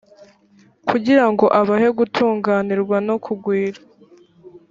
kugira ngo abahe gutunganirwa no kugwira,